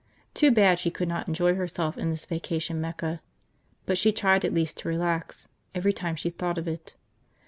Too bad she could not enjoy herself in this vacation mecca. But she tried at least to relax, every time she thought of it.